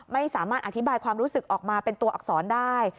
ไม่สามารถอธิบายความรู้สึกออกมาเป็นตัวอักษรได้